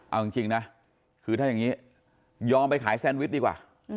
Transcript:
เอาจริงนะคือถ้าอย่างนี้ยอมไปขายแซนวิชดีกว่า